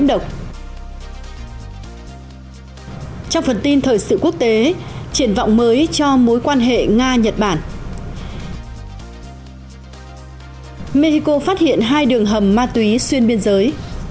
mexico phát hiện hai đường hầm ma túy xuyên biên giới